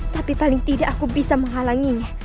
tapi paling tidak aku bisa menghalanginya